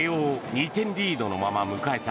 ２点リードのまま迎えた